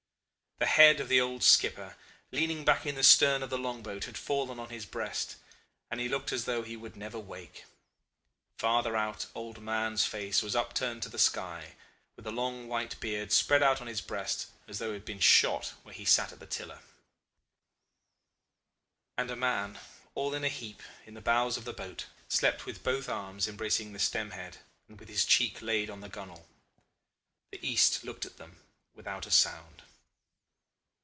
The head of the old skipper, leaning back in the stern of the long boat, had fallen on his breast, and he looked as though he would never wake. Farther out old Mahon's face was upturned to the sky, with the long white beard spread out on his breast, as though he had been shot where he sat at the tiller; and a man, all in a heap in the bows of the boat, slept with both arms embracing the stem head and with his cheek laid on the gunwale. The East looked at them without a sound.